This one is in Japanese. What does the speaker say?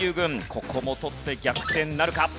ここも取って逆転なるか？